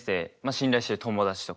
信頼してる友達とか。